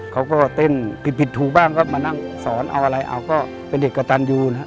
เขาก็เต้นผิดผิดถูกบ้างก็มานั่งสอนเอาอะไรเอาก็เป็นเด็กกระตันยูนะครับ